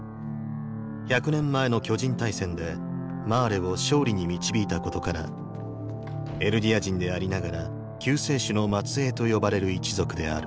１００年前の巨人大戦でマーレを勝利に導いたことからエルディア人でありながら「救世主の末裔」と呼ばれる一族である。